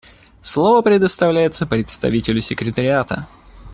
Слово предоставляется представителю Секретариата.